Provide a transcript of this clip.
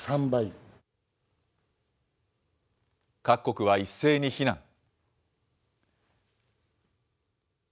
各国は一斉に非難。